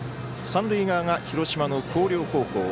三塁側が広島の広陵高校。